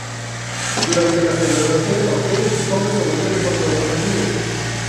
Durante la celebración Ojeda y sus hombres se volvieron contra los nativos.